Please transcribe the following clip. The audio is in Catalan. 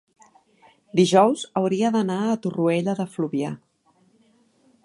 dijous hauria d'anar a Torroella de Fluvià.